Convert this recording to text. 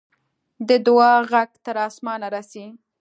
د دعا ږغ تر آسمانه رسي.